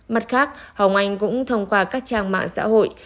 mặt khác hồng anh cũng thông qua các trang mạng xã hội